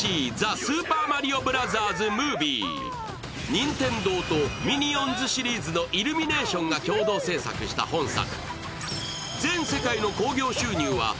任天堂と「ミニオンズ」シリーズのイルミネーションが共同制作した本作。